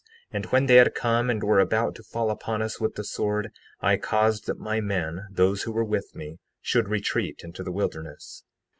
And when they had come and were about to fall upon us with the sword, I caused that my men, those who were with me, should retreat into the wilderness.